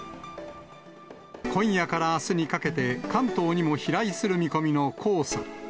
今夜からあすにかけて、関東にも飛来する見込みの黄砂。